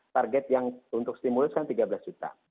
target yang untuk stimulus kan tiga belas juta